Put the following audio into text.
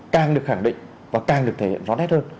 càng được khẳng định và càng được thể hiện rõ nét hơn